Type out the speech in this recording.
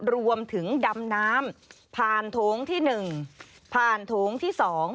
รวมถึงดำน้ำผ่านโถงที่๑ผ่านโถงที่๒